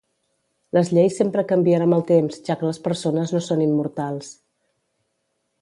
Les lleis sempre canvien amb el temps ja que les persones no són immortals